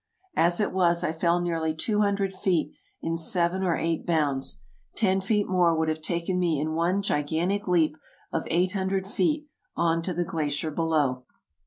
As it was, I fell nearly two hundred feet in seven or eight bounds. Ten feet more would have taken me in one gigantic leap of eight hundred feet on to the glacier below.